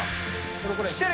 これこれ。